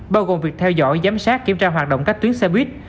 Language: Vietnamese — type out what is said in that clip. bao gồm việc theo dõi giám sát kiểm tra hoạt động các tuyến xe buýt